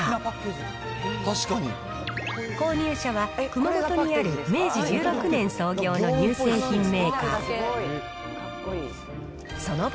乳舎は、熊本にある明治１６年創業の乳製品メーカー。